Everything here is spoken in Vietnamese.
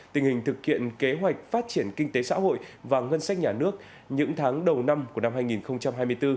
tình hình thực hiện kế hoạch phát triển kinh tế xã hội và ngân sách nhà nước những tháng đầu năm của năm hai nghìn hai mươi bốn